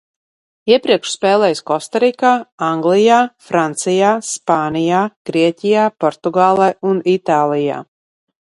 Iepriekš spēlējis Kostarikā, Anglijā, Francijā, Spānijā, Grieķijā, Portugālē un Itālijā.